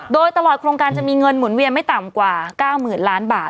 โดยตลอดโครงการจะมีเงินหมุนเวียนไม่ต่ำกว่า๙๐๐๐ล้านบาท